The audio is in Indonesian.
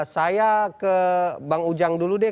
saya ke bang ujang dulu deh